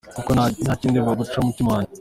Kuko nta kindi baguca, mutima wanjye